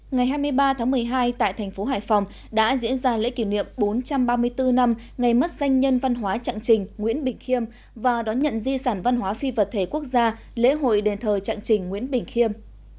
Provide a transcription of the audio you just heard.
ngày hai mươi ba tháng một mươi hai tại thành phố hải phòng đã diễn ra lễ kỷ niệm bốn trăm ba mươi bốn năm ngày mất danh nhân văn hóa trạng trình nguyễn bình khiêm và đón nhận di sản văn hóa phi vật thể quốc gia lễ hội đền thờ trạng trình nguyễn bình khiêm